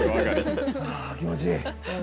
あぁ気持ちいい。